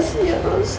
makasih ya rose